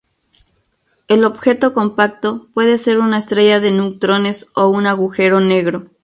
El objeto compacto puede ser una estrella de neutrones o un agujero negro.